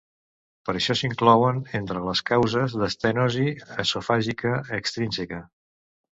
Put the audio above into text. Per això, s'inclouen entre les causes d'estenosi esofàgica extrínseca.